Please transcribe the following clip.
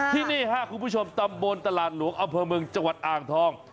ที่นี่ค่ะคุณผู้ชมตำบลตลาดหลวงอำเภอเมืองจังหวัดอ่างทอง